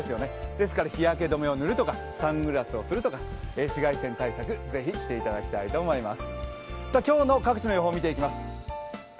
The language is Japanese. ですから日焼け止めを塗るとかサングラスをするとか紫外線対策、ぜひしていただきたいと思います。